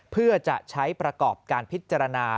เพื่อจะใช้ประกอบการพิจารณา